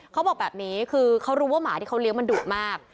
เขาบอกแบบนี้คือเขารู้ว่าหมาที่เขาเลี้ยงมันดุมาก